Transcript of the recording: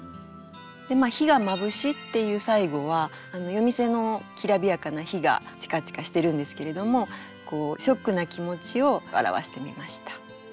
でまっ「灯が眩し」っていう最後は夜店のきらびやかな灯がチカチカしてるんですけれどもショックな気持ちを表してみました。